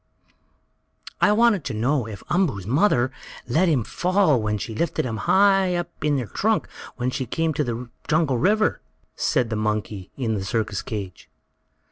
"I wanted to know if Umboo's mother let him fall when she lifted him high up in her trunk when they came to the jungle river," said the monkey in the circus cage.